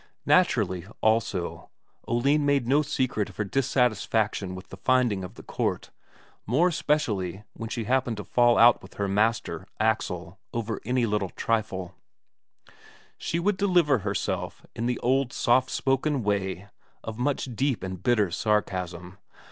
Naturally, also, Oline made no secret of her dissatisfaction with the finding of the court, more especially when she happened to fall out with her master, Axel, over any little trifle. Then she would deliver herself, in the old soft spoken way, of much deep and bitter sarcasm.